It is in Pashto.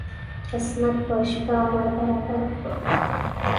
قسمت په شپه ور برابر کړو.